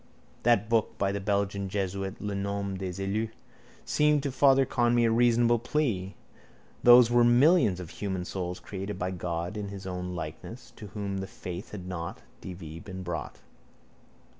That book by the Belgian jesuit, Le Nombre des Élus, seemed to Father Conmee a reasonable plea. Those were millions of human souls created by God in His Own likeness to whom the faith had not (D.V.) been brought.